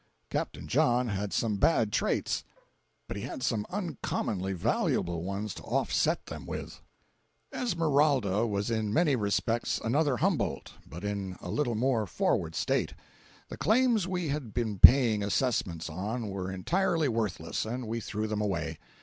Capt. John had some bad traits, but he had some uncommonly valuable ones to offset them with. 249.jpg (53K) Esmeralda was in many respects another Humboldt, but in a little more forward state. The claims we had been paying assessments on were entirely worthless, and we threw them away.